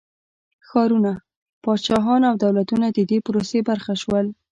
ښارونه، پاچاهيان او دولتونه د دې پروسې برخه شول.